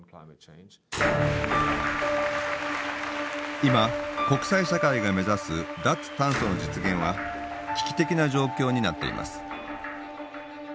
今国際社会が目指す脱炭素の実現は危機的な状況になっています。